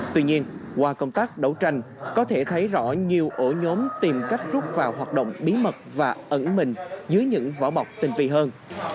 tuy nhiên qua công tác đấu tranh có thể thấy rõ nhiều ổ nhóm tìm cách rút vào hoạt động bí mật và ẩn mình dưới những vỏ bọc tình phi hơn